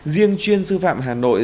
riêng chuyên sư phạm hà nội